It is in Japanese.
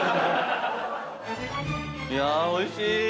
いやおいしい！